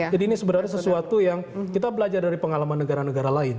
jadi ini sebenarnya sesuatu yang kita belajar dari pengalaman negara negara lain